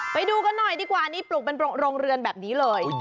ไปดูกันหน่อยดีกว่านี่ปลูกเป็นโรงเรือนแบบนี้เลย